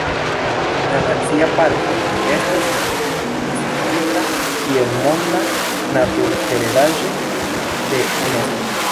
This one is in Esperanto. La nacia parko estas listigita kiel Monda Naturheredaĵo de Unesko.